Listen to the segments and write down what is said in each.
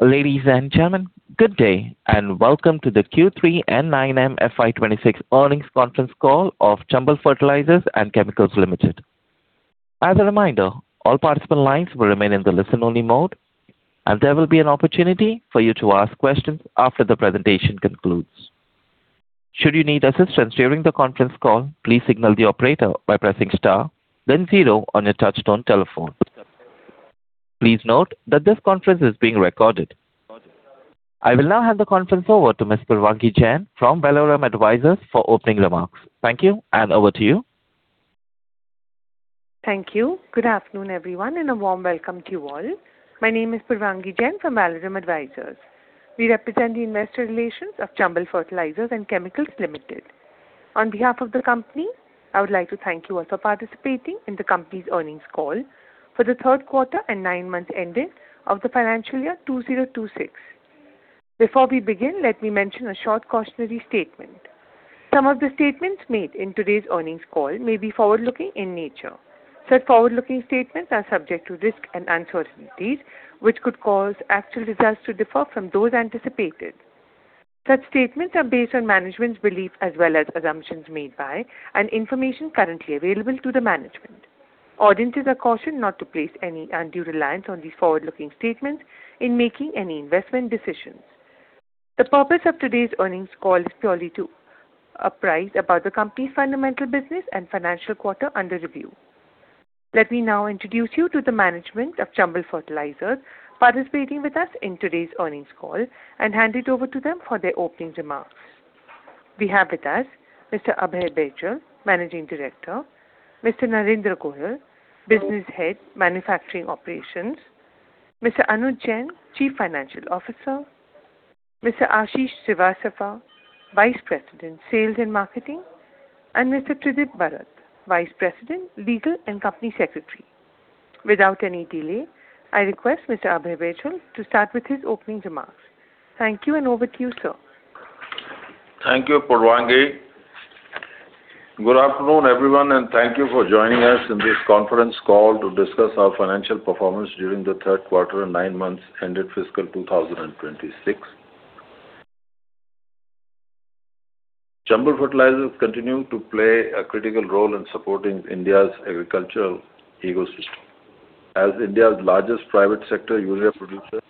Ladies and gentlemen, good day, and welcome to the Q3 and 9M FY2026 Earnings Conference Call of Chambal Fertilisers and Chemicals Limited. As a reminder, all participant lines will remain in the listen-only mode, and there will be an opportunity for you to ask questions after the presentation concludes. Should you need assistance during the conference call, please signal the operator by pressing star, then zero on your touchtone telephone. Please note that this conference is being recorded. I will now hand the conference over to Miss Purvangi Jain from Valorem Advisors for opening remarks. Thank you, and over to you. Thank you. Good afternoon, everyone, and a warm welcome to you all. My name is Purvangi Jain from Valorem Advisors. We represent the investor relations of Chambal Fertilisers and Chemicals Limited. On behalf of the company, I would like to thank you all for participating in the company's earnings call for the third quarter and nine months ending of the financial year 2026. Before we begin, let me mention a short cautionary statement. Some of the statements made in today's earnings call may be forward-looking in nature. Such forward-looking statements are subject to risks and uncertainties, which could cause actual results to differ from those anticipated. Such statements are based on management's belief as well as assumptions made by, and information currently available to the management. Audiences are cautioned not to place any undue reliance on these forward-looking statements in making any investment decisions. The purpose of today's earnings call is purely to apprise about the company's fundamental business and financial quarter under review. Let me now introduce you to the management of Chambal Fertilizers, participating with us in today's earnings call, and hand it over to them for their opening remarks. We have with us Mr. Abhay Baijal, Managing Director, Mr. Narendra Goyal, Business Head, Manufacturing Operations, Mr. Anuj Jain, Chief Financial Officer, Mr. Ashish Srivastava, Vice President, Sales and Marketing, and Mr. Tridib Barat, Vice President, Legal and Company Secretary. Without any delay, I request Mr. Abhay Baijal to start with his opening remarks. Thank you, and over to you, sir. Thank you, Purvangi. Good afternoon, everyone, and thank you for joining us in this conference call to discuss our financial performance during the third quarter and nine months ended fiscal 2026. Chambal Fertilizers continue to play a critical role in supporting India's agricultural ecosystem. As India's largest private sector urea producer,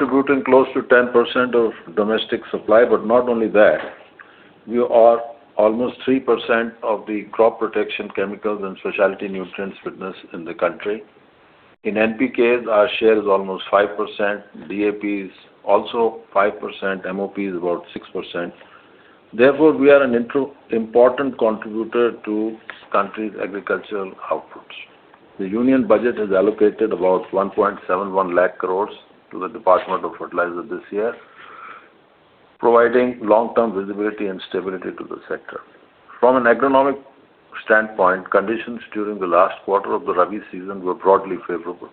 contributing close to 10% of domestic supply, but not only that, we are almost 3% of the crop protection chemicals and specialty nutrients business in the country. In NPK, our share is almost 5%, DAP is also 5%, MOP is about 6%. Therefore, we are an important contributor to country's agricultural outputs. The union budget has allocated about 171,000 crore to the Department of Fertilizers this year, providing long-term visibility and stability to the sector. From an economic standpoint, conditions during the last quarter of the Rabi season were broadly favorable.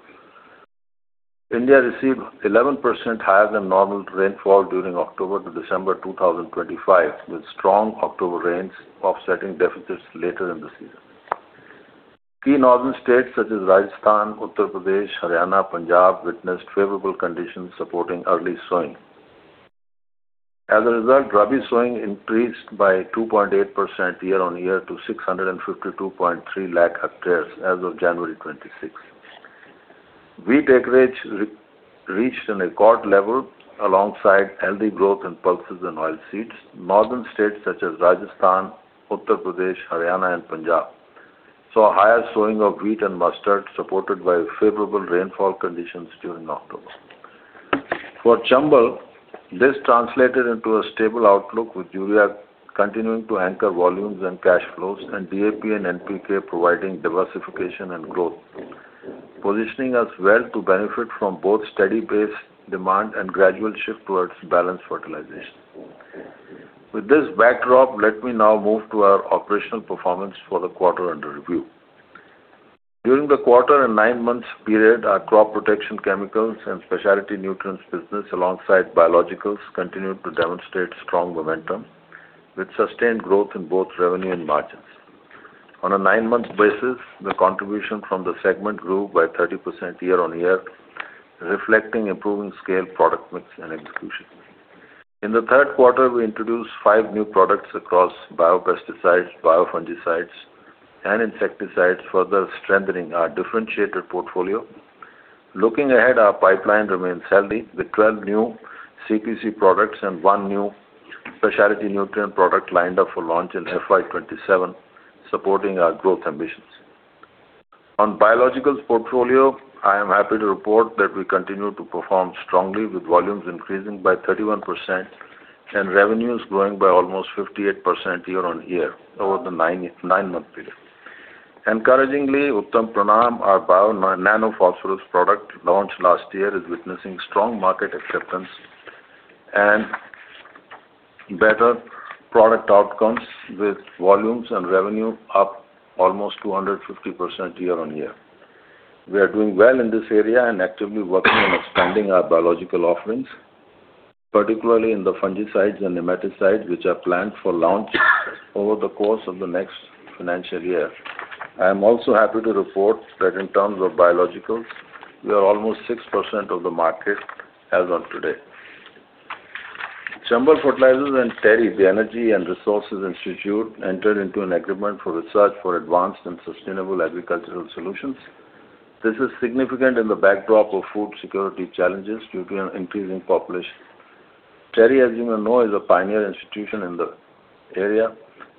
India received 11% higher than normal rainfall during October to December 2025, with strong October rains offsetting deficits later in the season. Key northern states such as Rajasthan, Uttar Pradesh, Haryana, Punjab, witnessed favorable conditions supporting early sowing. As a result, Rabi sowing increased by 2.8% year on year to 652.3 lakh hectares as of January 26. Wheat acreage reached a record level alongside healthy growth in pulses and oilseeds. Northern states such as Rajasthan, Uttar Pradesh, Haryana, and Punjab saw higher sowing of wheat and mustard, supported by favorable rainfall conditions during October. For Chambal, this translated into a stable outlook, with urea continuing to anchor volumes and cash flows and DAP and NPK providing diversification and growth, positioning us well to benefit from both steady base demand and gradual shift towards balanced fertilization. With this backdrop, let me now move to our operational performance for the quarter under review. During the quarter and nine months period, our crop protection chemicals and specialty nutrients business, alongside biologicals, continued to demonstrate strong momentum, with sustained growth in both revenue and margins. On a nine-month basis, the contribution from the segment grew by 30% year-over-year, reflecting improving scale, product mix, and execution. In the third quarter, we introduced five new products across biopesticides, biofungicides, and insecticides, further strengthening our differentiated portfolio. Looking ahead, our pipeline remains healthy, with 12 new CPC products and one new specialty nutrient product lined up for launch in FY 2027, supporting our growth ambitions. On biologicals portfolio, I am happy to report that we continue to perform strongly, with volumes increasing by 31% and revenues growing by almost 58% year-on-year over the nine-month period. Encouragingly, Uttam Pranam, our bio-nano phosphorus product launched last year, is witnessing strong market acceptance and better product outcomes, with volumes and revenue up almost 250% year-on-year. We are doing well in this area and actively working on expanding our biological offerings... particularly in the fungicides and nematicides, which are planned for launch over the course of the next financial year. I am also happy to report that in terms of biologicals, we are almost 6% of the market as of today. Chambal Fertilizers and TERI, the Energy and Resources Institute, entered into an agreement for research for advanced and sustainable agricultural solutions. This is significant in the backdrop of food security challenges due to an increasing population. TERI, as you may know, is a pioneer institution in the area,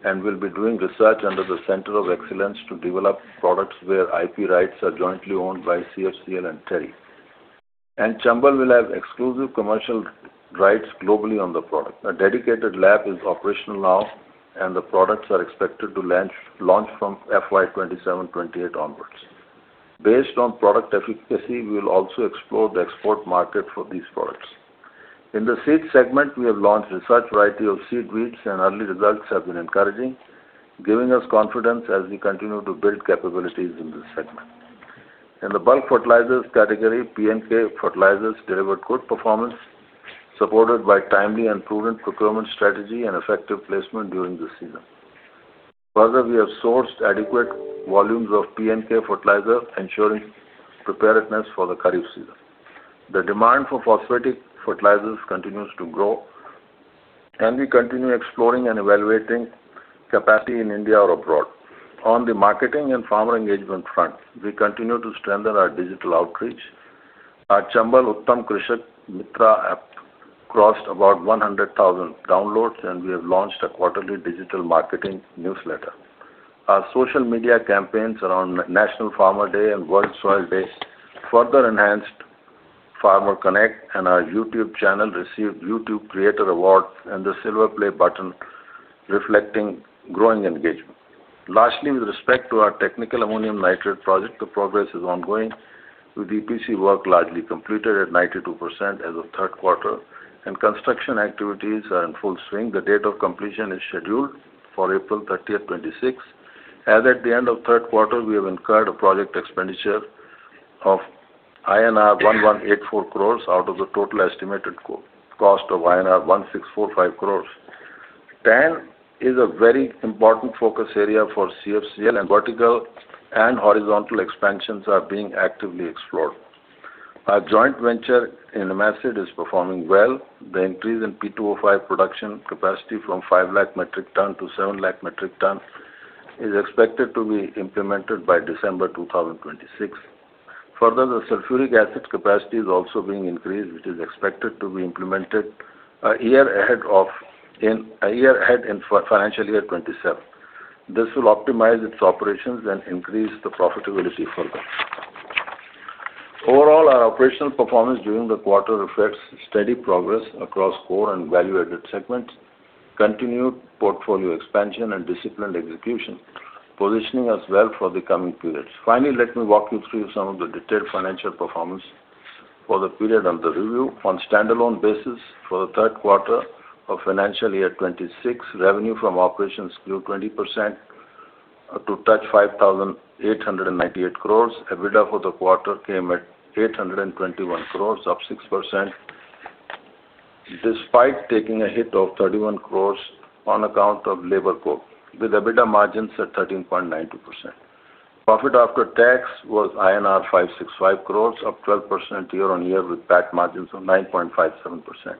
and will be doing research under the Center of Excellence to develop products where IP rights are jointly owned by CFCL and TERI. Chambal will have exclusive commercial rights globally on the product. A dedicated lab is operational now, and the products are expected to launch from FY 2027, 2028 onwards. Based on product efficacy, we will also explore the export market for these products. In the seed segment, we have launched research variety of seeds, and early results have been encouraging, giving us confidence as we continue to build capabilities in this segment. In the bulk fertilizers category, P&K fertilizers delivered good performance, supported by timely and proven procurement strategy and effective placement during this season. Further, we have sourced adequate volumes of P&K fertilizer, ensuring preparedness for the Kharif season. The demand for phosphatic fertilizers continues to grow, and we continue exploring and evaluating capacity in India or abroad. On the marketing and farmer engagement front, we continue to strengthen our digital outreach. Our Chambal Uttam Krishak Mitra app crossed about 100,000 downloads, and we have launched a quarterly digital marketing newsletter. Our social media campaigns around National Farmer Day and World Soil Day further enhanced Farmer Connect, and our YouTube channel received YouTube Creator Award and the Silver Play Button, reflecting growing engagement. Lastly, with respect to our Technical Ammonium Nitrate project, the progress is ongoing, with EPC work largely completed at 92% as of third quarter, and construction activities are in full swing. The date of completion is scheduled for April 30, 2026. As at the end of third quarter, we have incurred a project expenditure of INR 1,184 crores out of the total estimated cost of INR 1,645 crores. TAN is a very important focus area for CFCL, and vertical and horizontal expansions are being actively explored. Our joint venture in Morocco is performing well. The increase in P2O5 production capacity from 5 lakh metric tons to 7 lakh metric tons is expected to be implemented by December 2026. Further, the sulfuric acid capacity is also being increased, which is expected to be implemented a year ahead of, in a year ahead in financial year 2027. This will optimize its operations and increase the profitability further. Overall, our operational performance during the quarter reflects steady progress across core and value-added segments, continued portfolio expansion and disciplined execution, positioning us well for the coming periods. Finally, let me walk you through some of the detailed financial performance for the period under review. On standalone basis, for the third quarter of financial year 2026, revenue from operations grew 20%, to touch 5,898 crores. EBITDA for the quarter came at 821 crore, up 6%, despite taking a hit of 31 crore on account of labor cost, with EBITDA margins at 13.92%. Profit after tax was INR 565 crore, up 12% year-on-year, with PAT margins of 9.57%. For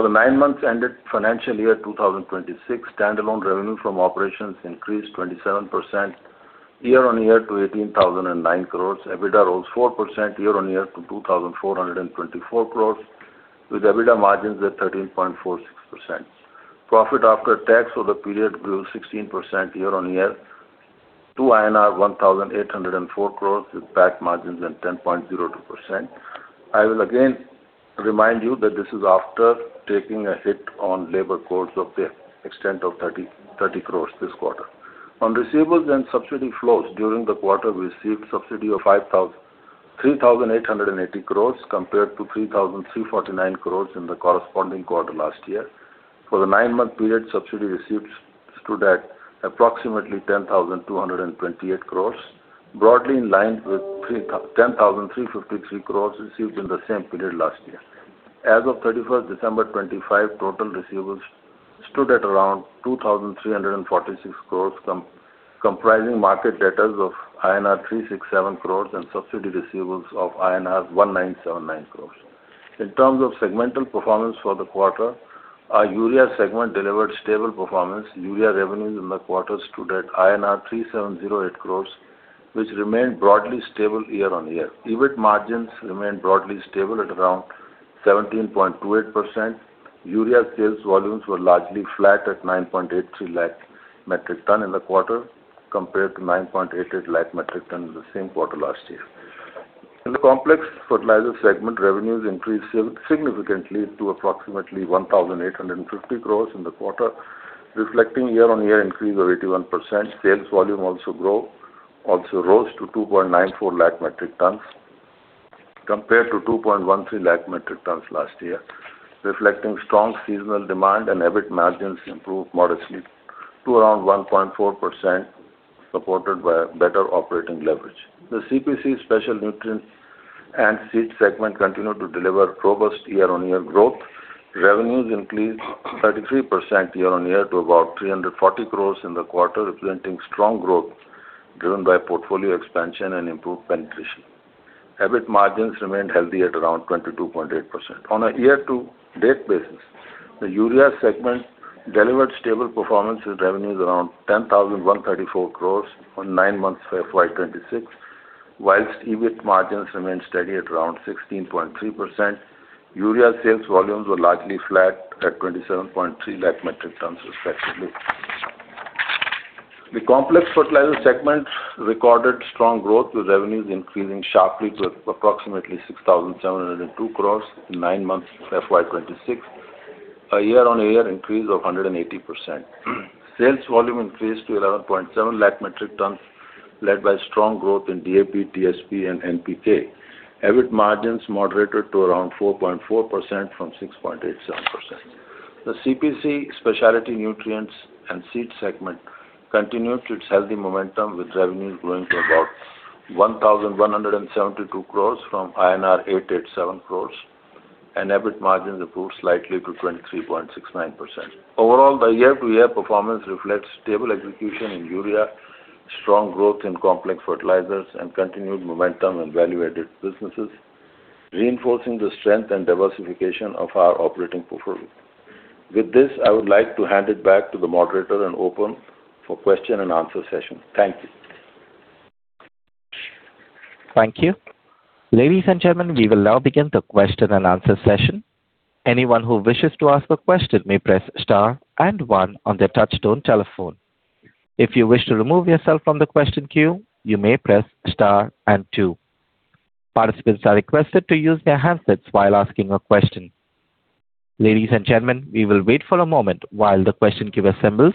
the nine months ended financial year 2026, standalone revenue from operations increased 27% year-on-year to 18,009 crore. EBITDA rose 4% year-on-year to 2,424 crore, with EBITDA margins at 13.46%. Profit after tax for the period grew 16% year-on-year to INR 1,804 crore, with PAT margins at 10.02%. I will again remind you that this is after taking a hit on labor costs of the extent of 30 crores this quarter. On receivables and subsidy flows, during the quarter, we received subsidy of 3,880 crores, compared to 3,349 crores in the corresponding quarter last year. For the nine-month period, subsidy receipts stood at approximately 10,228 crores, broadly in line with 10,353 crores received in the same period last year. As of December 31st 2025, total receivables stood at around 2,346 crores, comprising market debtors of INR 367 crores and subsidy receivables of INR 1,979 crores. In terms of segmental performance for the quarter, our urea segment delivered stable performance. Urea revenues in the quarter stood at INR 3,708 crores, which remained broadly stable year-on-year. EBIT margins remained broadly stable at around 17.28%. Urea sales volumes were largely flat at 9.83 lakh metric tons in the quarter, compared to 9.88 lakh metric tons in the same quarter last year. In the complex fertilizer segment, revenues increased significantly to approximately 1,850 crores in the quarter, reflecting year-on-year increase of 81%. Sales volume also rose to 2.94 lakh metric tons, compared to 2.13 lakh metric tons last year, reflecting strong seasonal demand, and EBIT margins improved modestly to around 1.4%, supported by better operating leverage. The CPC special nutrients and seed segment continued to deliver robust year-on-year growth. Revenues increased 33% year-on-year to about 340 crores in the quarter, representing strong growth driven by portfolio expansion and improved penetration. EBIT margins remained healthy at around 22.8%. On a year-to-date basis, the Urea segment delivered stable performance with revenues around 10,134 crores on nine months FY 2026, while EBIT margins remained steady at around 16.3%. Urea sales volumes were largely flat at 27.3 lakh metric tons, respectively. The complex fertilizer segment recorded strong growth, with revenues increasing sharply to approximately 6,702 crores in nine months FY 2026, a year-on-year increase of 180%. Sales volume increased to 11.7 lakh metric tons, led by strong growth in DAP, TSP and NPK. EBIT margins moderated to around 4.4% from 6.87%. The CPC specialty nutrients and seed segment continued its healthy momentum, with revenues growing to about 1,172 crores from INR 887 crores, and EBIT margins improved slightly to 23.69%. Overall, the year-to-year performance reflects stable execution in Urea, strong growth in complex fertilizers, and continued momentum in value-added businesses, reinforcing the strength and diversification of our operating portfolio. With this, I would like to hand it back to the moderator and open for question and answer session. Thank you. Thank you. Ladies and gentlemen, we will now begin the question and answer session. Anyone who wishes to ask a question may press star and one on their touchtone telephone. If you wish to remove yourself from the question queue, you may press star and two. Participants are requested to use their handsets while asking a question. Ladies and gentlemen, we will wait for a moment while the question queue assembles.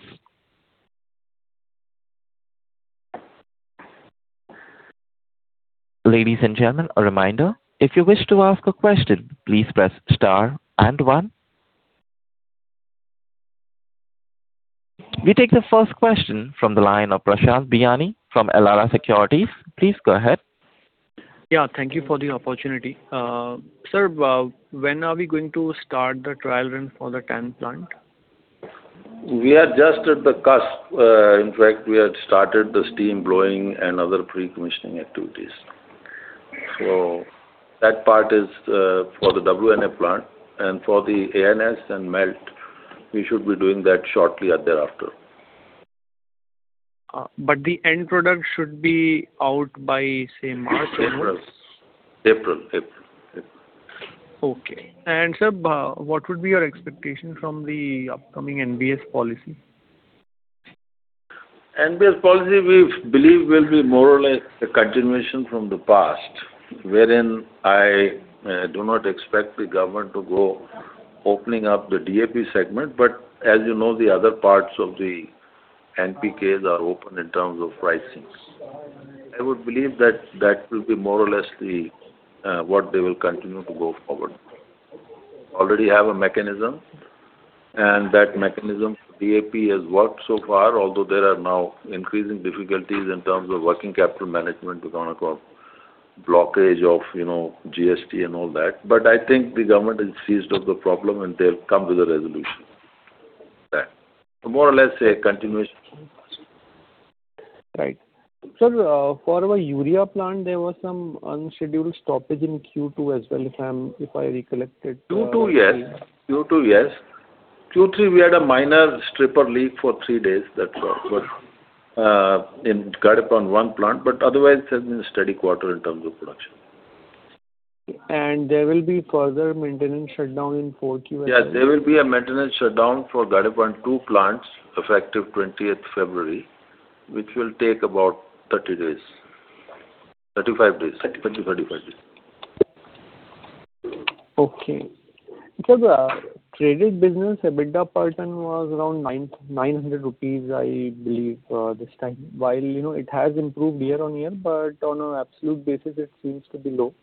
Ladies and gentlemen, a reminder, if you wish to ask a question, please press star and one. We take the first question from the line of Prashant Biyani from Elara Securities. Please go ahead. Yeah, thank you for the opportunity. Sir, when are we going to start the trial run for the TAN plant? We are just at the cusp. In fact, we had started the steam blowing and other pre-commissioning activities. So that part is, for the WNA plant and for the ANS and Melt, we should be doing that shortly thereafter. But the end product should be out by, say, March? April. April, April, April. Okay. Sir, what would be your expectation from the upcoming NBS policy? NBS policy, we believe, will be more or less a continuation from the past, wherein I do not expect the government to go opening up the DAP segment, but as you know, the other parts of the NPKs are open in terms of pricings. I would believe that that will be more or less the what they will continue to go forward. Already have a mechanism, and that mechanism, DAP, has worked so far, although there are now increasing difficulties in terms of working capital management on account of blockage of, you know, GST and all that. But I think the government is seized of the problem, and they'll come to the resolution. That more or less a continuation. Right. Sir, for our Urea plant, there was some unscheduled stoppage in Q2 as well, if I recollect it. Q2, yes. Q2, yes. Q3, we had a minor stripper leak for three days. That's all. But in Gadepan, one plant, but otherwise, it has been a steady quarter in terms of production. There will be further maintenance shutdown in Q4? Yes, there will be a maintenance shutdown for Gadepan, two plants, effective 20th February, which will take about 30 days. 35 days. 30, 35 days. Okay. Sir, traded business, EBITDA per ton was around 900 rupees, I believe, this time, while, you know, it has improved year-on-year, but on an absolute basis, it seems to be low.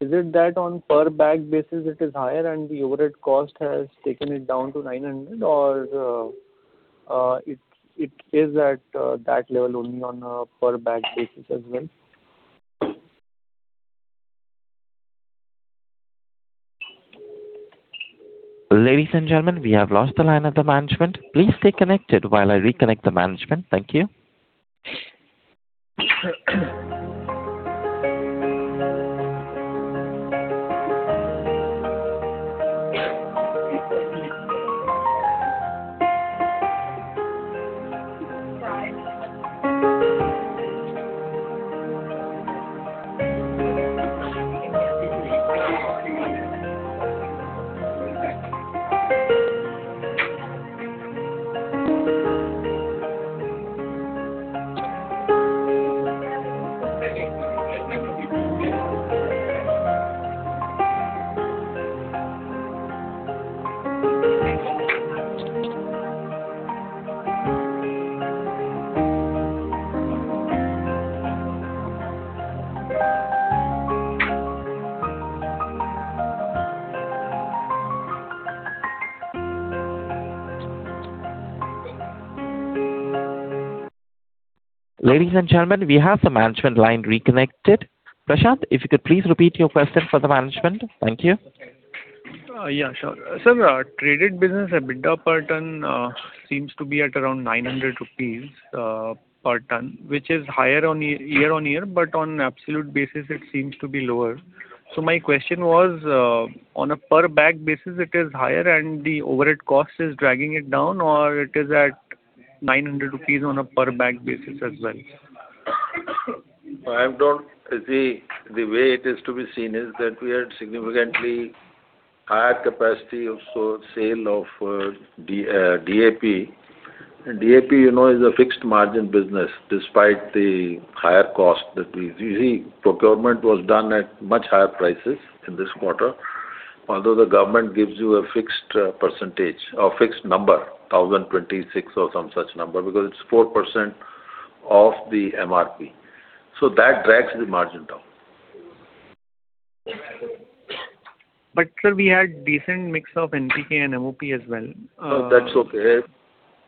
Is it that on per bag basis, it is higher and the overhead cost has taken it down to 900 or it is at that level only on a per bag basis as well? Ladies and gentlemen, we have lost the line of the management. Please stay connected while I reconnect the management. Thank you. ... Ladies and gentlemen, we have the management line reconnected. Prashant, if you could please repeat your question for the management. Thank you. Yeah, sure. Sir, traded business, EBITDA per ton seems to be at around 900 rupees per ton, which is higher year-on-year, but on absolute basis, it seems to be lower. So my question was, on a per bag basis, it is higher and the overhead cost is dragging it down, or it is at 900 rupees on a per bag basis as well? The way it is to be seen is that we had significantly higher capacity of so sale of DAP. And DAP, you know, is a fixed margin business, despite the higher cost that we see. Procurement was done at much higher prices in this quarter. Although the government gives you a fixed percentage or fixed number, 1,026 or some such number, because it's 4% of the MRP. So that drags the margin down. But sir, we had decent mix of NPK and MOP as well. No, that's okay.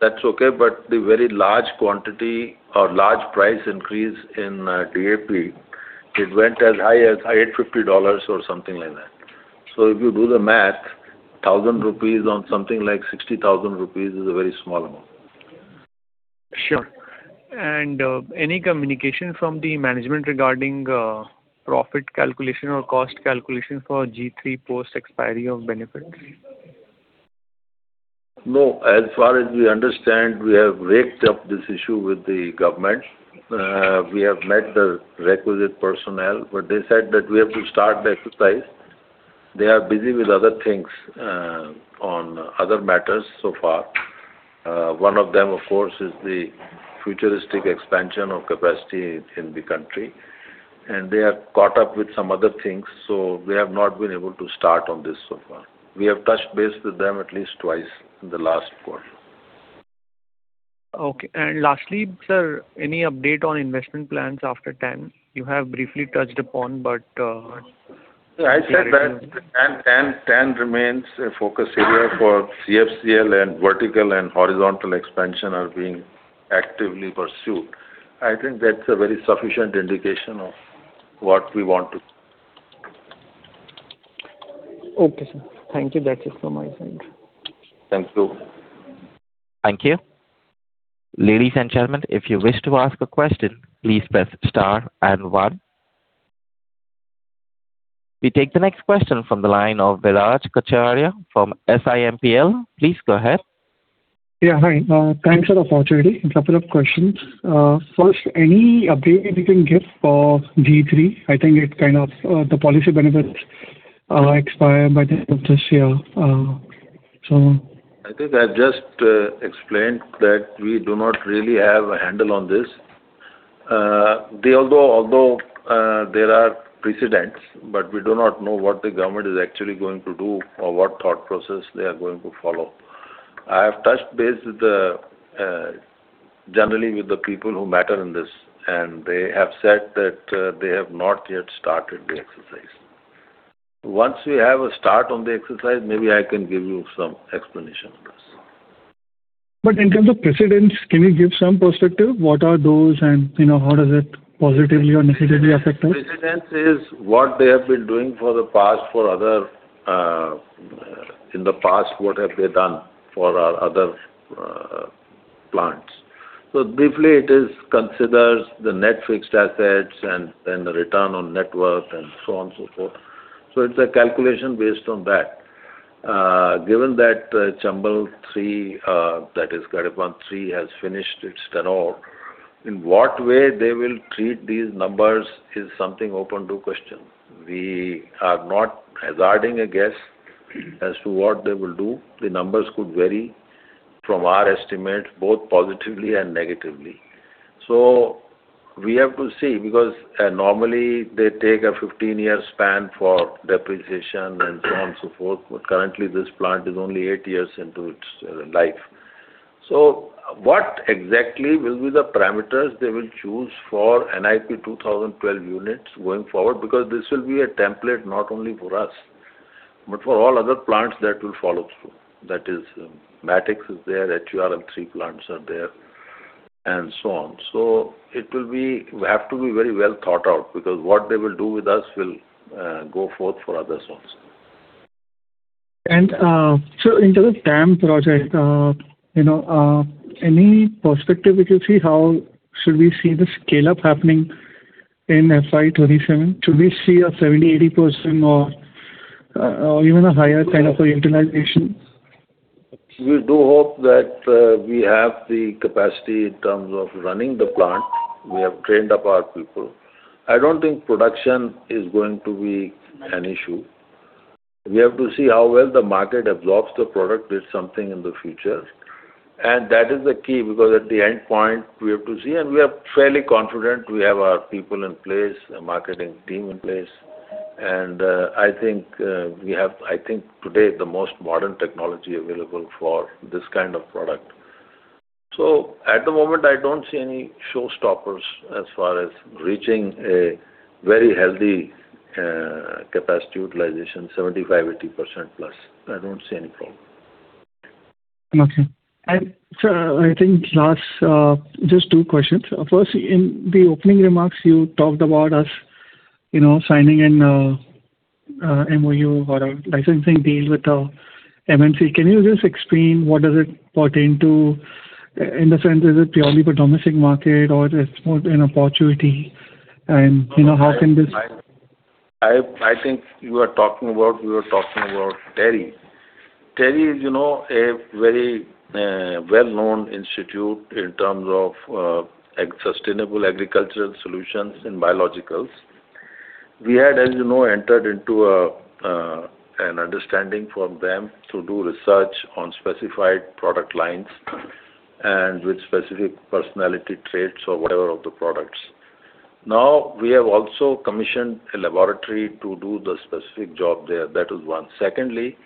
That's okay, but the very large quantity or large price increase in DAP, it went as high as $850 or something like that. So if you do the math, 1,000 rupees on something like 60,000 rupees is a very small amount. Sure. Any communication from the management regarding profit calculation or cost calculation for G3 post expiry of benefits? No, as far as we understand, we have raked up this issue with the government. We have met the requisite personnel, but they said that we have to start the exercise. They are busy with other things, on other matters so far. One of them, of course, is the futuristic expansion of capacity in the country, and they are caught up with some other things, so we have not been able to start on this so far. We have touched base with them at least twice in the last quarter. Okay. And lastly, sir, any update on investment plans after 10? You have briefly touched upon, but, I said that, and 10 remains a focus area for CFCL, and vertical and horizontal expansion are being actively pursued. I think that's a very sufficient indication of what we want to. Okay, sir. Thank you. That's it from my side. Thank you. Thank you. Ladies and gentlemen, if you wish to ask a question, please press star and one. We take the next question from the line of Viraj Kacharia from SiMPL. Please go ahead. Yeah, hi. Thanks for the opportunity. A couple of questions. First, any update you can give for G3? I think it kind of, the policy benefits, expire by the end of this year, so. I think I just explained that we do not really have a handle on this. Although there are precedents, but we do not know what the government is actually going to do or what thought process they are going to follow. I have touched base generally with the people who matter in this, and they have said that they have not yet started the exercise. Once we have a start on the exercise, maybe I can give you some explanation on this. But in terms of precedents, can you give some perspective? What are those and, you know, how does it positively or negatively affect us? Precedence is what they have been doing for the past for other, in the past, what have they done for our other plants. So briefly, it considers the net fixed assets and the return on net worth and so on, so forth. So it's a calculation based on that. Given that Chambal Three, that is Gadepan III, has finished its tenure, in what way they will treat these numbers is something open to question. We are not making a guess as to what they will do. The numbers could vary from our estimate, both positively and negatively. So we have to see, because normally they take a 15-year span for depreciation and so on, so forth, but currently this plant is only eight years into its life. So what exactly will be the parameters they will choose for NIP 2012 units going forward? Because this will be a template not only for us, but for all other plants that will follow through. That is, Matix is there, HURL three plants are there, and so on. So it will be - have to be very well thought out, because what they will do with us will go forth for others also. And, so in terms of TAN project, you know, any perspective which you see, how should we see the scale-up happening in FY 2027? Should we see a 70%-80% or even a higher kind of a utilization? We do hope that we have the capacity in terms of running the plant. We have trained up our people. I don't think production is going to be an issue. We have to see how well the market absorbs the product is something in the future. And that is the key, because at the end point, we have to see, and we are fairly confident we have our people in place, a marketing team in place. And I think we have, I think, today, the most modern technology available for this kind of product. So at the moment, I don't see any showstoppers as far as reaching a very healthy capacity utilization, 75%-80% plus. I don't see any problem. Okay. And, sir, I think last, just two questions. First, in the opening remarks, you talked about us, you know, signing an MOU or a licensing deal with the IMACID. Can you just explain what does it pertain to, in the sense, is it purely for domestic market or it's more an opportunity? And, you know, how can this- I think you are talking about, we were talking about TERI. TERI is, you know, a very, well-known institute in terms of, sustainable agricultural solutions and biologicals. We had, as you know, entered into a, an understanding from them to do research on specified product lines and with specific personality traits or whatever of the products. Now, we have also commissioned a laboratory to do the specific job there. That is one. Secondly,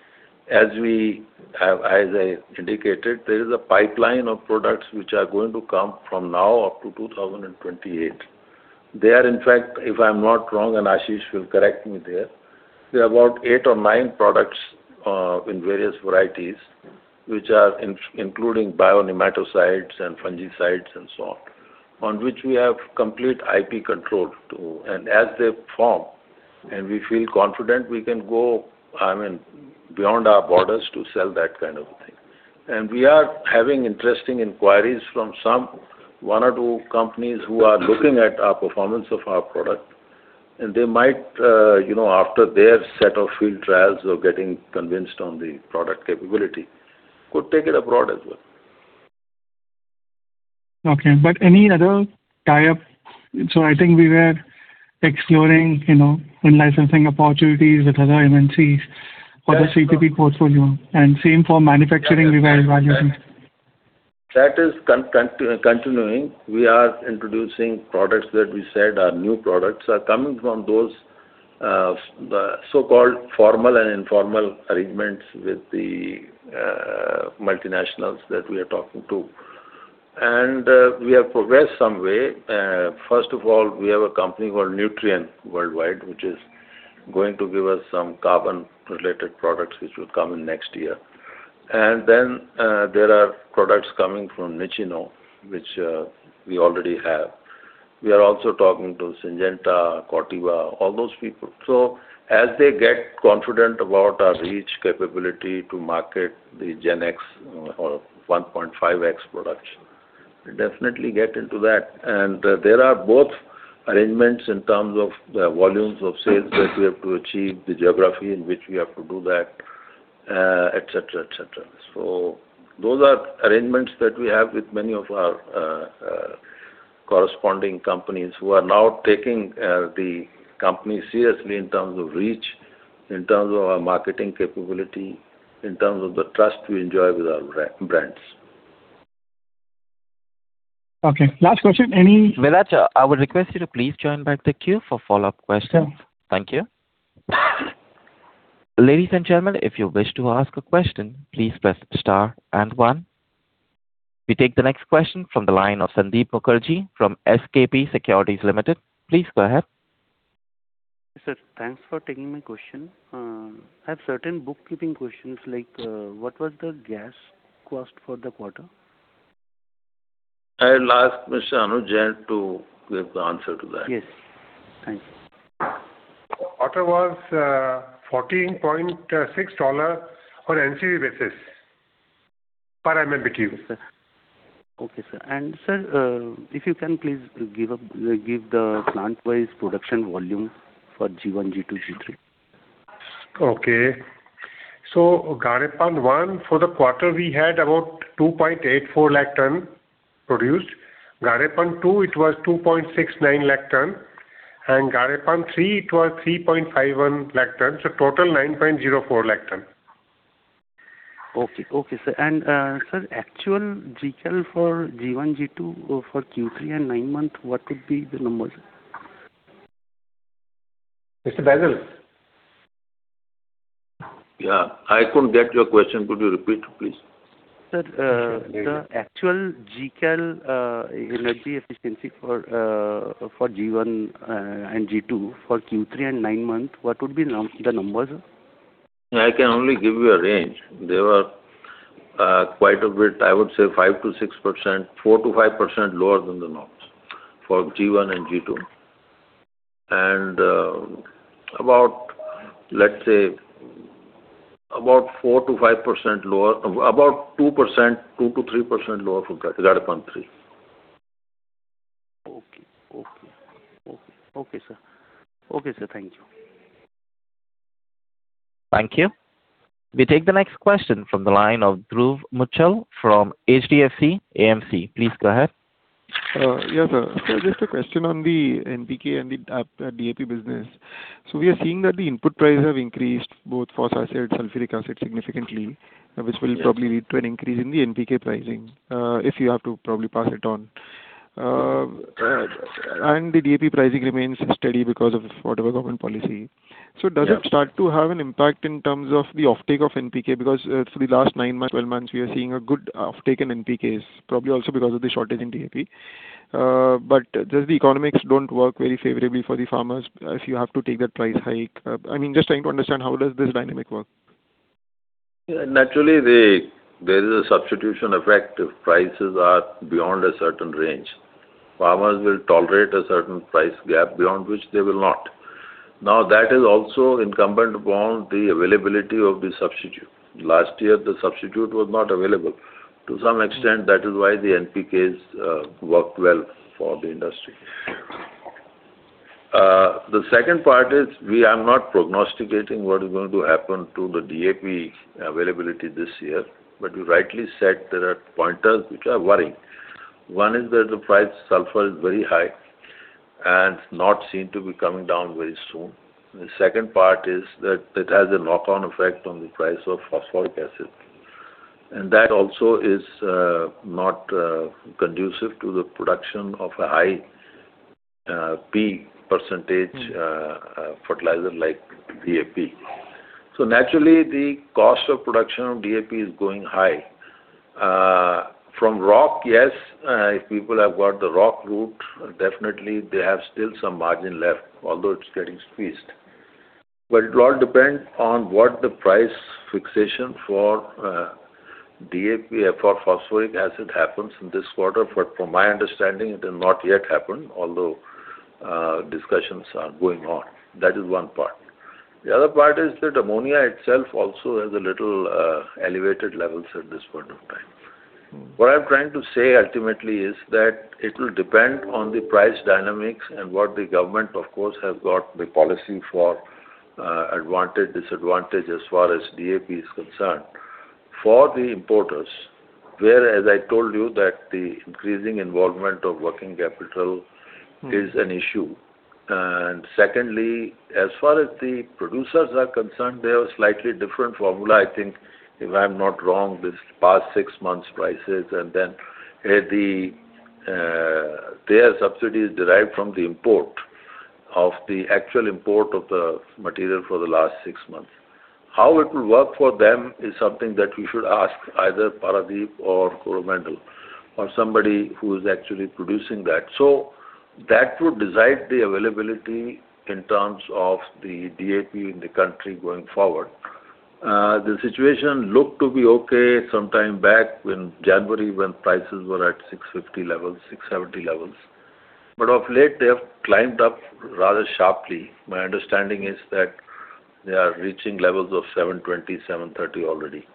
as we have, as I indicated, there is a pipeline of products which are going to come from now up to 2028. They are, in fact, if I'm not wrong, and Ashish will correct me there, there are about eight or nine products, in various varieties, which are including bionematicides and fungicides and so on, on which we have complete IP control, too. And as they form and we feel confident, we can go, I mean, beyond our borders to sell that kind of a thing. And we are having interesting inquiries from some one or two companies who are looking at our performance of our product, and they might, you know, after their set of field trials of getting convinced on the product capability, could take it abroad as well. Okay. But any other tie-up? So I think we were exploring, you know, in-licensing opportunities with other MNCs for the CPC portfolio, and same for manufacturing, we were evaluating. That is continuing. We are introducing products that we said are new products, are coming from those, so-called formal and informal arrangements with the, multinationals that we are talking to. And, we have progressed some way. First of all, we have a company called Nutrien Worldwide, which is going to give us some carbon-related products, which will come in next year. And then, there are products coming from Nichino, which, we already have. We are also talking to Syngenta, Corteva, all those people. So as they get confident about our reach capability to market the GenX or 1.5X products, we definitely get into that. And there are both arrangements in terms of the volumes of sales that we have to achieve, the geography in which we have to do that, etc., etc. So those are arrangements that we have with many of our corresponding companies who are now taking the company seriously in terms of reach, in terms of our marketing capability, in terms of the trust we enjoy with our brands. Okay, last question, any- Milaja, I would request you to please join back the queue for follow-up questions. Sure. Thank you. Ladies and gentlemen, if you wish to ask a question, please press Star and One. We take the next question from the line of Sandeep Mukherjee from SKP Securities Limited. Please go ahead. Sir, thanks for taking my question. I have certain bookkeeping questions, like, what was the gas cost for the quarter? I'll ask Mr. Anuj Jain to give the answer to that. Yes. Thank you. Quarter was $14.6 on NCV basis, per MMBtu. Okay, sir. And sir, if you can please give the plant-wise production volume for G1, G2, G3. Okay. So Gadepan-I, for the quarter, we had about 2.84 lakh tons produced. Gadepan-II, it was 2.69 lakh tons, and Gadepan-III, it was 3.51 lakh tons, so total 9.04 lakh tons. Okay. Okay, sir. Sir, actual Gcal for G1, G2, for Q3 and nine months, what would be the numbers? Mr. Baijal? Yeah, I couldn't get your question. Could you repeat, please? Sir, the actual Gcal energy efficiency for G1 and G2 for Q3 and nine months, what would be the numbers? I can only give you a range. They were, quite a bit, I would say 5%-6%, 4%-5% lower than the norms for G1 and G2. And, about, let's say, about 4%-5% lower, about 2%, 2%-3% lower for Gadepan-III. Okay. Okay. Okay, okay, sir. Okay, sir. Thank you. Thank you. We take the next question from the line of Dhruv Muchhal from HDFC AMC. Please go ahead. Yeah, sir. So just a question on the NPK and the DAP business. So we are seeing that the input prices have increased both for acid, sulfuric acid significantly, which will probably lead to an increase in the NPK pricing, if you have to probably pass it on. ... and the DAP pricing remains steady because of whatever government policy. Yeah. So does it start to have an impact in terms of the offtake of NPK? Because, for the last nine months, 12 months, we are seeing a good offtake in NPKs, probably also because of the shortage in DAP. But does the economics don't work very favorably for the farmers if you have to take that price hike? I mean, just trying to understand how does this dynamic work. Naturally, there is a substitution effect if prices are beyond a certain range. Farmers will tolerate a certain price gap, beyond which they will not. Now, that is also incumbent upon the availability of the substitute. Last year, the substitute was not available. To some extent, that is why the NPKs worked well for the industry. The second part is we are not prognosticating what is going to happen to the DAP availability this year, but you rightly said there are pointers which are worrying. One is that the sulfur price is very high and not seen to be coming down very soon. The second part is that it has a knock-on effect on the price of phosphoric acid, and that also is not conducive to the production of a high P percentage fertilizer like DAP. So naturally, the cost of production of DAP is going high. From rock, yes, if people have got the rock route, definitely they have still some margin left, although it's getting squeezed. But it will all depend on what the price fixation for DAP or phosphoric acid happens in this quarter, but from my understanding, it has not yet happened, although discussions are going on. That is one part. The other part is that ammonia itself also has a little elevated levels at this point of time. What I'm trying to say ultimately is that it will depend on the price dynamics and what the government, of course, has got the policy for advantage, disadvantage as far as DAP is concerned. For the importers, where, as I told you, that the increasing involvement of working capital is an issue. And secondly, as far as the producers are concerned, they have a slightly different formula. I think, if I'm not wrong, this past six months prices, and then, their subsidy is derived from the actual import of the material for the last six months. How it will work for them is something that you should ask either Paradeep or Coromandel, or somebody who is actually producing that. So that would decide the availability in terms of the DAP in the country going forward. The situation looked to be okay sometime back in January, when prices were at $650 levels, $670 levels, but of late, they have climbed up rather sharply. My understanding is that they are reaching levels of $720, $730 already.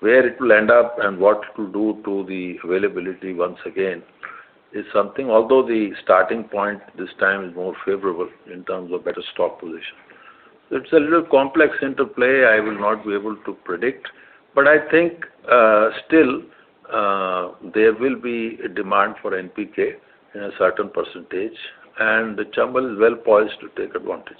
where it will end up and what it will do to the availability once again is something, although the starting point this time is more favorable in terms of better stock position. It's a little complex interplay I will not be able to predict, but I think, still, there will be a demand for NPK in a certain percentage, and Chambal is well poised to take advantage.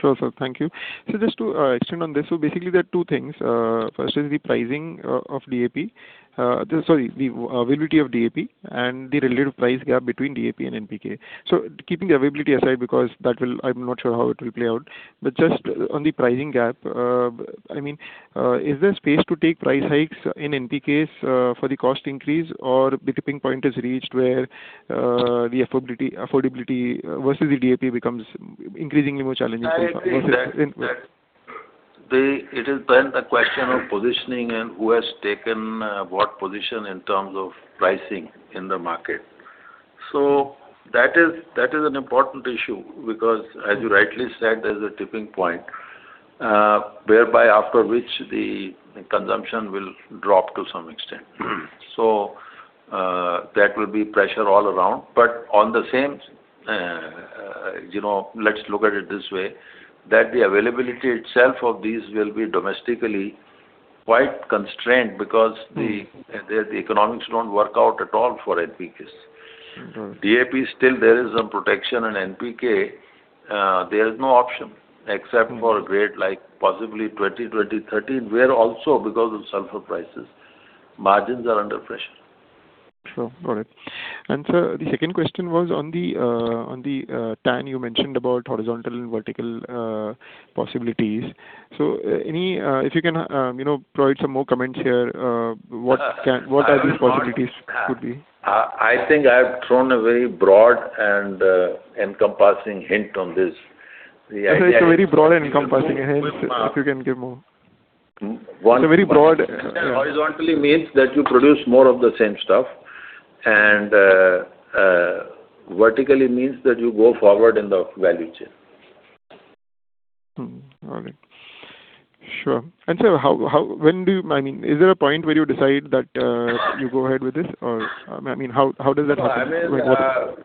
Sure, sir. Thank you. So just to extend on this, so basically there are two things. First is the pricing of DAP. Sorry, the availability of DAP and the relative price gap between DAP and NPK. So keeping the availability aside, because that will, I'm not sure how it will play out, but just on the pricing gap, I mean, is there space to take price hikes in NPKs for the cost increase, or the tipping point is reached where the affordability, affordability versus the DAP becomes increasingly more challenging for farmers? I think that it has been a question of positioning and who has taken what position in terms of pricing in the market. So that is an important issue, because as you rightly said, there's a tipping point whereby after which the consumption will drop to some extent. So that will be pressure all around. But on the same, you know, let's look at it this way, that the availability itself of these will be domestically quite constrained because the economics don't work out at all for NPKs. Mm-hmm. DAP, still there is some protection, in NPK, there is no option except for a grade like possibly 20-20-30, where also, because of sulfur prices, margins are under pressure. Sure. Got it. And sir, the second question was on the TAN you mentioned about horizontal and vertical possibilities. So any, if you can, you know, provide some more comments here, what can- I am not- What are these possibilities could be? I, I think I've thrown a very broad and, encompassing hint on this. It's a very broad and encompassing hint. If you can give more? It's a very broad- Horizontally means that you produce more of the same stuff, and vertically means that you go forward in the value chain. All right. Sure. And, sir, how, when do you... I mean, is there a point where you decide that you go ahead with this? Or, I mean, how does that happen? I mean,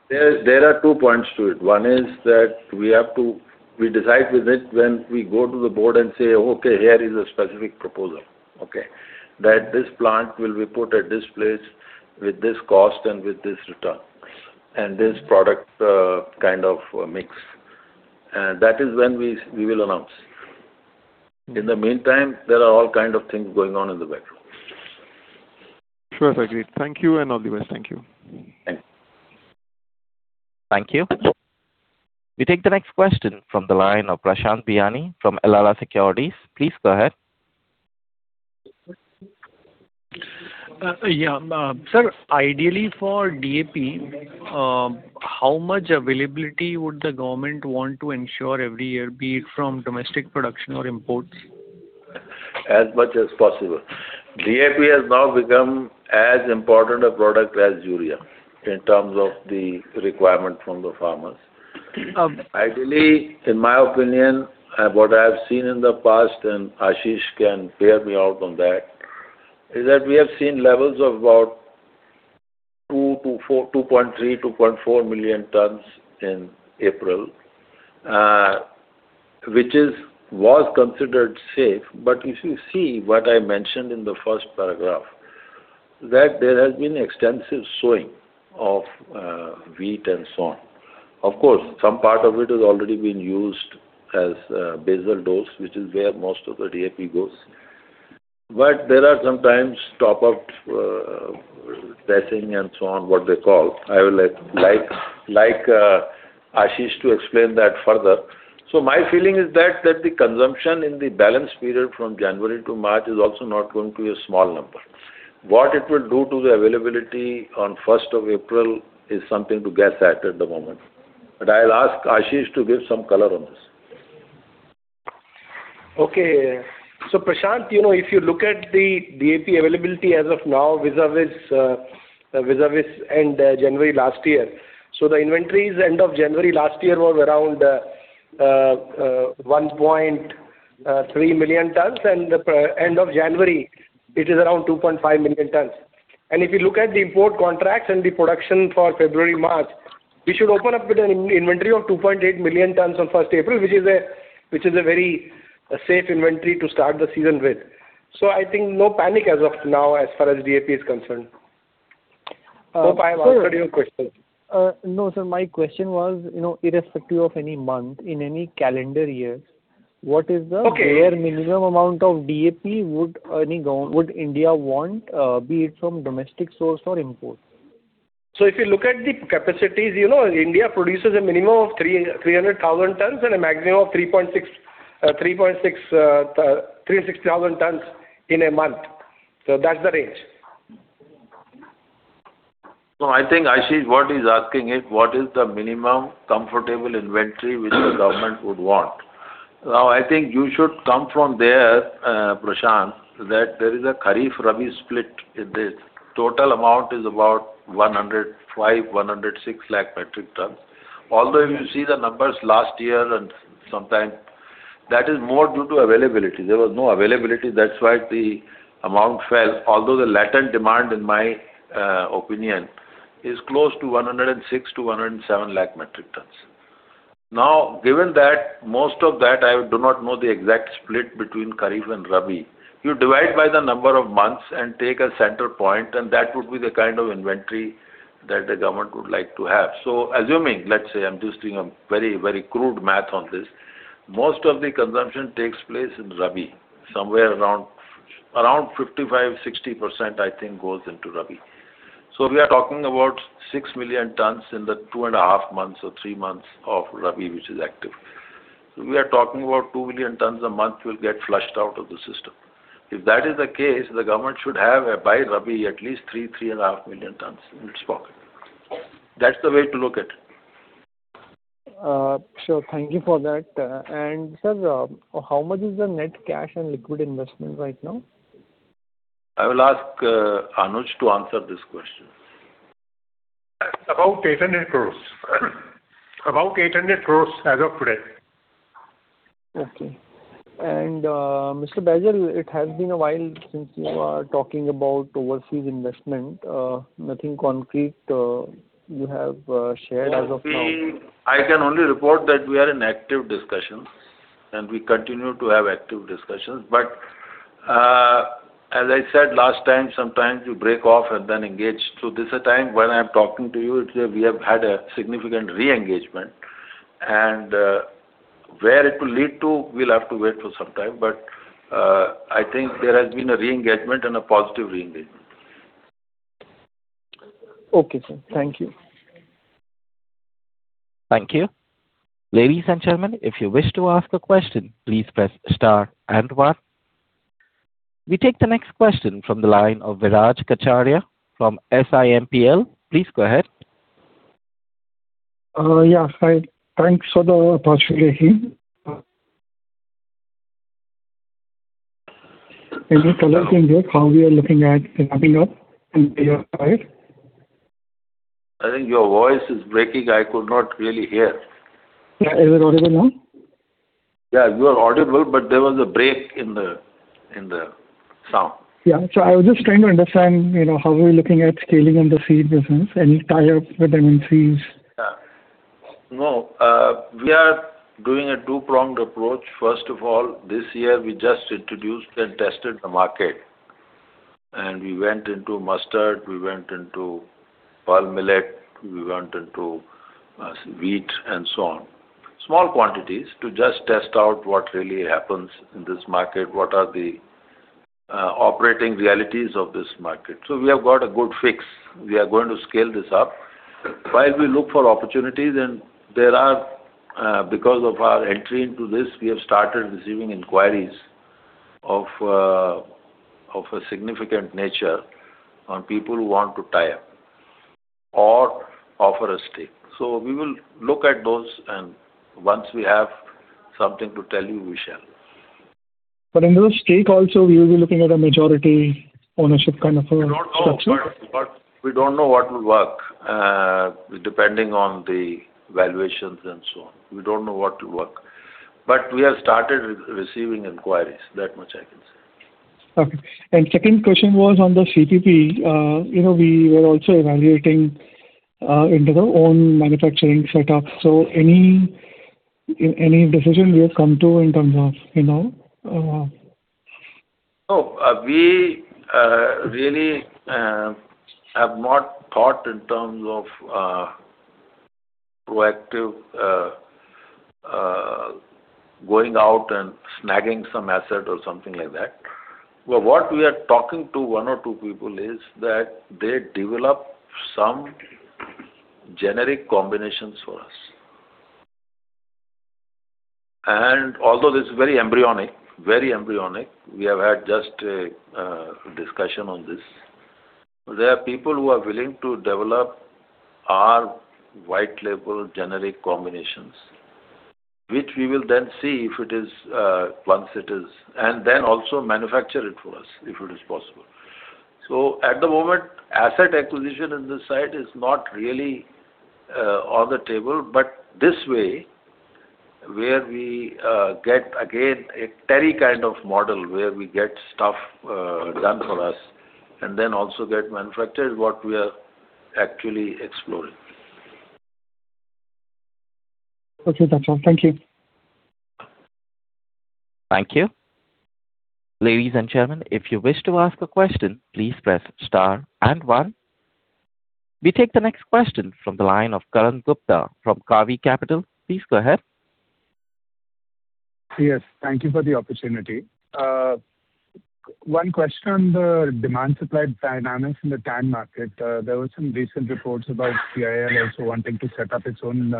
there are two points to it. One is that we have to we decide with it when we go to the board and say, "Okay, here is a specific proposal," okay? That this plant will be put at this place with this cost and with this return, and this product, kind of mix. And that is when we will announce. In the meantime, there are all kinds of things going on in the background. Sure, sir. Great. Thank you and all the best. Thank you. Thank you. We take the next question from the line of Prashant Biyani from Elara Securities. Please go ahead. Yeah. Sir, ideally, for DAP, how much availability would the government want to ensure every year, be it from domestic production or imports? As much as possible. DAP has now become as important a product as Urea, in terms of the requirement from the farmers. Um- Ideally, in my opinion, what I have seen in the past, and Ashish can hear me out on that, is that we have seen levels of about 2-4, 2.3, 2.4 million tons in April. Which is, was considered safe, but if you see what I mentioned in the first paragraph, that there has been extensive sowing of wheat and so on. Of course, some part of it has already been used as basal dose, which is where most of the DAP goes. But there are sometimes top-up dressing, and so on, what they call. I will let, like, Ashish to explain that further. So my feeling is that the consumption in the balance period from January to March is also not going to be a small number. What it will do to the availability on first of April is something to guess at, at the moment, but I'll ask Ashish to give some color on this. Okay. So, Prashant, you know, if you look at the DAP availability as of now, vis-a-vis, vis-a-vis end of January last year. So the inventories end of January last year was around one point three million tons, and the end of January, it is around 2.5 million tons. And if you look at the import contracts and the production for February, March, we should open up with an inventory of 2.8 million tons on first April, which is a very safe inventory to start the season with. So I think no panic as of now, as far as DAP is concerned. I hope I have answered your question. No, sir, my question was, you know, irrespective of any month, in any calendar years, what is the- Okay. bare minimum amount of DAP would any government, would India want, be it from domestic source or imports? If you look at the capacities, you know, India produces a minimum of 300,000 tons and a maximum of 360,000 tons in a month. So that's the range. So I think, Ashish, what he's asking is: What is the minimum comfortable inventory which the government would want? Now, I think you should come from there, Prashant, that there is a Kharif, Rabi split in this. Total amount is about 105-106 lakh metric tons. Although, if you see the numbers last year and sometime, that is more due to availability. There was no availability, that's why the amount fell, although the latent demand, in my opinion, is close to 106-107 lakh metric tons. Now, given that, most of that, I do not know the exact split between Kharif and Rabi. You divide by the number of months and take a center point, and that would be the kind of inventory that the government would like to have. So assuming, let's say, I'm just doing a very, very crude math on this, most of the consumption takes place in Rabi, somewhere around 55%-60%, I think, goes into Rabi. So we are talking about 6 million tons in the 2.5 months or 3 months of Rabi, which is active. So we are talking about 2 million tons a month will get flushed out of the system. If that is the case, the government should have by Rabi at least 3-3.5 million tons in its pocket. That's the way to look at it. Sure. Thank you for that. Sir, how much is the net cash and liquid investment right now? I will ask Anuj to answer this question. About 800 crore. About 800 crore as of today. Okay. And, Mr. Baijal, it has been a while since you are talking about overseas investment. Nothing concrete you have shared as of now. I can only report that we are in active discussions, and we continue to have active discussions. But, as I said last time, sometimes you break off and then engage. So this is a time when I'm talking to you, we have had a significant re-engagement, and, where it will lead to, we'll have to wait for some time, but, I think there has been a re-engagement and a positive re-engagement. Okay, sir. Thank you. Thank you. Ladies and gentlemen, if you wish to ask a question, please press star and one. We take the next question from the line of Viraj Kacharia from SiMPL. Please go ahead. Yeah. Hi, thanks for the opportunity. Can you tell us how we are looking at ramping up in your side? I think your voice is breaking. I could not really hear. Yeah. Is it audible now? Yeah, you are audible, but there was a break in the sound. Yeah. So I was just trying to understand, you know, how we're looking at scaling in the seed business and tie up with the ministries? Yeah. No, we are doing a two-pronged approach. First of all, this year, we just introduced and tested the market. And we went into mustard, we went into pearl millet, we went into some wheat, and so on. Small quantities to just test out what really happens in this market, what are the operating realities of this market. So we have got a good fix. We are going to scale this up while we look for opportunities. And there are, because of our entry into this, we have started receiving inquiries of a significant nature on people who want to tie up or offer a stake. So we will look at those, and once we have something to tell you, we shall. But in those stakes also, we will be looking at a majority ownership kind of a structure? We don't know, but we don't know what will work, depending on the valuations and so on. We don't know what will work, but we have started receiving inquiries. That much I can say. Okay. And second question was on the CPC. You know, we were also evaluating into their own manufacturing setup. So any decision we have come to in terms of, you know...? No, we really have not thought in terms of proactive going out and snagging some asset or something like that. But what we are talking to one or two people is that they develop some generic combinations for us. And although this is very embryonic, very embryonic, we have had just a discussion on this. There are people who are willing to develop our white label generic combinations, which we will then see if it is once it is, and then also manufacture it for us, if it is possible. So at the moment, asset acquisition on this side is not really on the table, but this way, where we get, again, a TERI kind of model, where we get stuff done for us and then also get manufactured, is what we are actually exploring. Okay, done then. Thank you. Thank you. Ladies and gentlemen, if you wish to ask a question, please press star and one. We take the next question from the line of Karan Gupta from Kavi Capital. Please go ahead. Yes, thank you for the opportunity. One question on the demand-supply dynamics in the TAN market. There were some recent reports about CIL also wanting to set up its own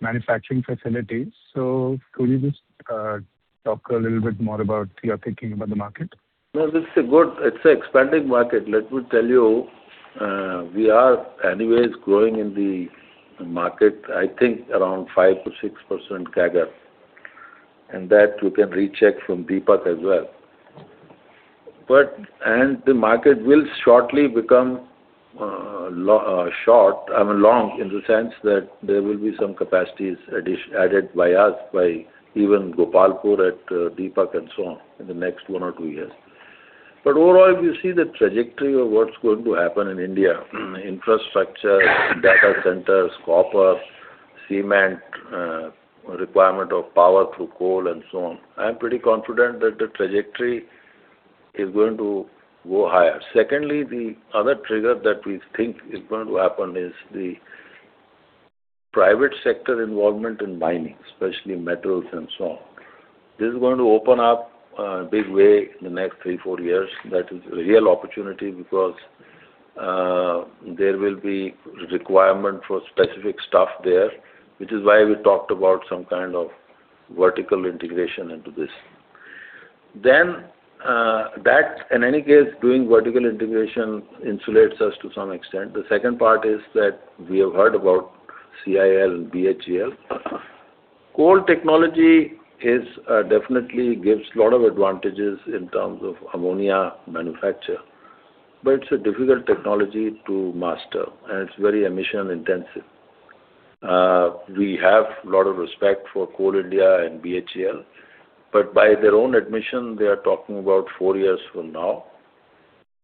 manufacturing facilities. So could you just talk a little bit more about your thinking about the market? No, this is a good... It's an expanding market. Let me tell you, we are anyways growing in the market, I think around 5%-6% CAGR, and that you can recheck from Deepak as well. But, and the market will shortly become, I mean, long, in the sense that there will be some capacities added by us, by even Gopalpur at Deepak and so on, in the next one or two years. But overall, if you see the trajectory of what's going to happen in India, infrastructure, data centers, copper, cement, requirement of power through coal, and so on, I'm pretty confident that the trajectory is going to go higher. Secondly, the other trigger that we think is going to happen is the private sector involvement in mining, especially metals and so on. This is going to open up big way in the next 3, 4 years. That is a real opportunity because there will be requirement for specific stuff there, which is why we talked about some kind of vertical integration into this. Then, that, in any case, doing vertical integration insulates us to some extent. The second part is that we have heard about CIL and BHEL. Coal technology is definitely gives a lot of advantages in terms of ammonia manufacture, but it's a difficult technology to master, and it's very emission intensive. We have a lot of respect for Coal India and BHEL, but by their own admission, they are talking about 4 years from now.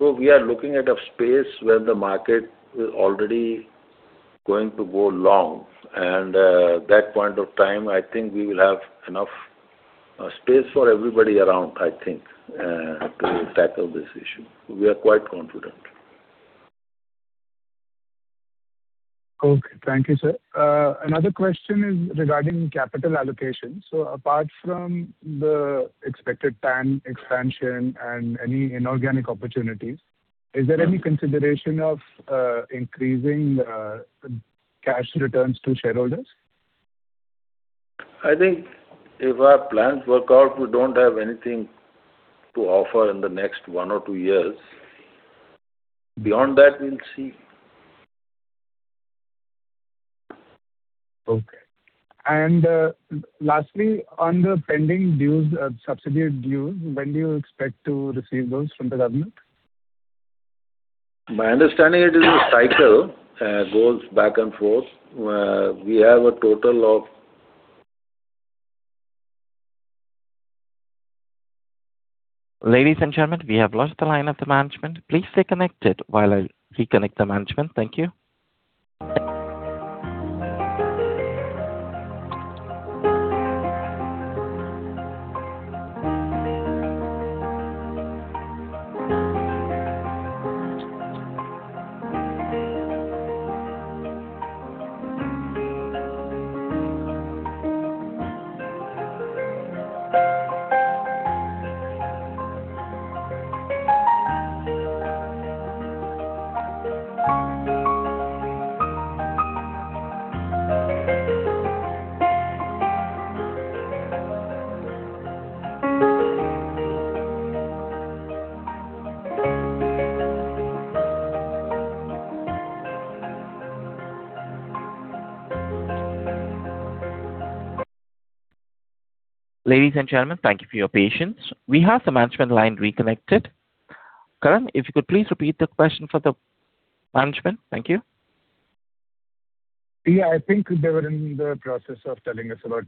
We are looking at a space where the market is already going to go long, and that point of time, I think we will have enough space for everybody around, I think, to tackle this issue. We are quite confident. Okay. Thank you, sir. Another question is regarding capital allocation. So apart from the expected TAN expansion and any inorganic opportunities, is there any consideration of increasing cash returns to shareholders? I think if our plans work out, we don't have anything to offer in the next one or two years. Beyond that, we'll see. Okay. And, lastly, on the pending dues, subsidy dues, when do you expect to receive those from the government? My understanding, it is a cycle, goes back and forth. We have a total of- Ladies and gentlemen, we have lost the line of the management. Please stay connected while I reconnect the management. Thank you. Ladies and gentlemen, thank you for your patience. We have the management line reconnected. Karan, if you could please repeat the question for the management. Thank you. Yeah, I think they were in the process of telling us about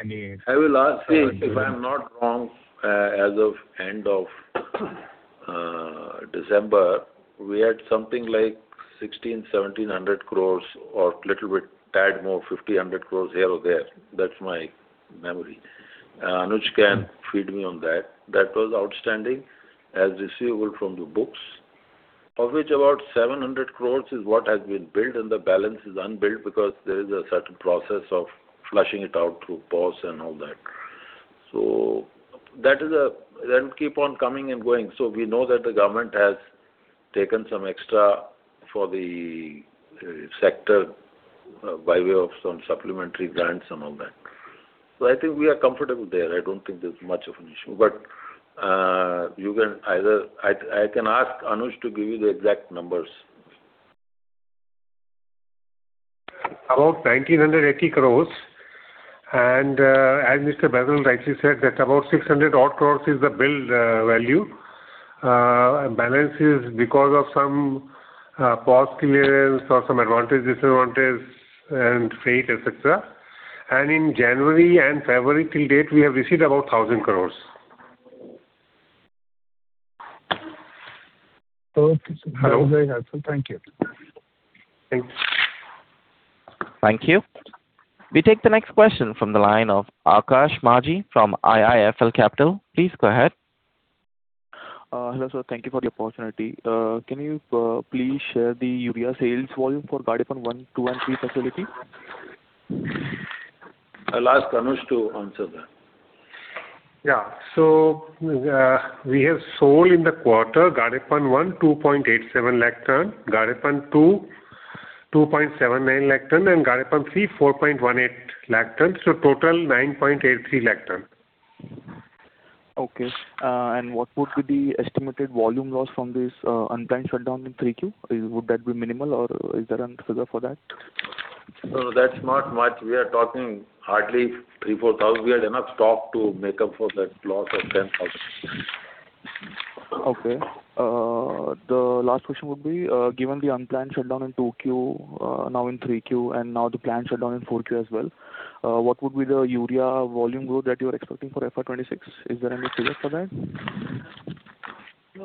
any- I will ask, if I'm not wrong, as of end of December, we had something like 1,600-1,700 crores or a little bit tad more, 50-100 crores here or there. That's my memory. Anuj can feed me on that. That was outstanding as receivable from the books, of which about 700 crores is what has been built, and the balance is unbuilt because there is a certain process of flushing it out through POS and all that. So that is a, then keep on coming and going. So we know that the government has taken some extra for the sector by way of some supplementary grants and all that. So I think we are comfortable there. I don't think there's much of an issue, but you can either. I, I can ask Anuj to give you the exact numbers. About 1,980 crore, and, as Mr. Basil rightly said, that about 600 crore is the build value. Balance is because of some POS clearance or some advantage, disadvantage and freight, et cetera. And in January and February, till date, we have received about 1,000 crore. Okay, so that was very helpful. Thank you. Thanks. Thank you. We take the next question from the line of Akash Maji from IIFL Capital. Please go ahead. Hello, sir. Thank you for the opportunity. Can you please share the urea sales volume for Gadepan I, Two, and Three facility? I'll ask Anuj to answer that. Yeah. So, we have sold in the quarter, Gadepan I, 2.87 lakh ton, Gadepan II, 2.79 lakh ton, and Gadepan III, 4.18 lakh ton. So total, 9.83 lakh ton. Okay. What would be the estimated volume loss from this unplanned shutdown in 3Q? Would that be minimal, or is there any figure for that? No, that's not much. We are talking hardly three to four thousand. We have enough stock to make up for that loss of 10,000. Okay. The last question would be, given the unplanned shutdown in 2Q, now in 3Q, and now the planned shutdown in 4Q as well, what would be the urea volume growth that you are expecting for FY 2026? Is there any figure for that?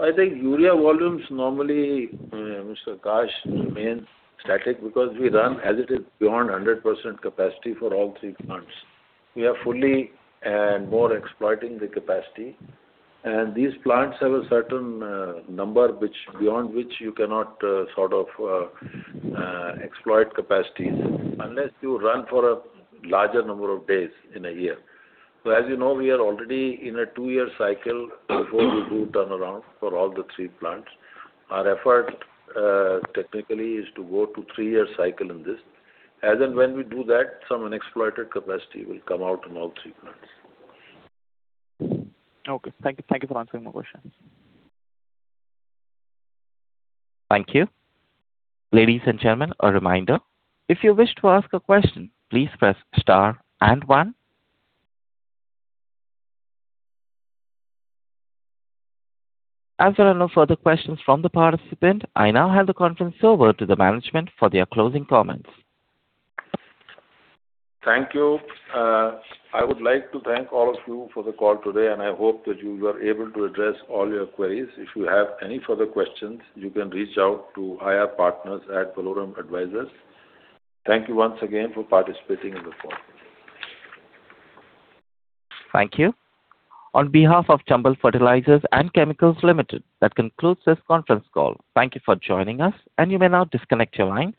I think urea volumes normally, Mr. Akash, remain static because we run as it is beyond 100% capacity for all three plants. We are fully and more exploiting the capacity, and these plants have a certain, number which beyond which you cannot, sort of, exploit capacities unless you run for a larger number of days in a year. So as you know, we are already in a two-year cycle before we do turnaround for all the three plants. Our effort, technically, is to go to three-year cycle in this. As and when we do that, some unexploited capacity will come out in all three plants. Okay, thank you. Thank you for answering my questions. Thank you. Ladies and gentlemen, a reminder, if you wish to ask a question, please press star and one. As there are no further questions from the participant, I now hand the conference over to the management for their closing comments. Thank you. I would like to thank all of you for the call today, and I hope that you were able to address all your queries. If you have any further questions, you can reach out to IR partners at Valorem Advisors. Thank you once again for participating in the call. Thank you. On behalf of Chambal Fertilisers and Chemicals Limited, that concludes this conference call. Thank you for joining us, and you may now disconnect your line.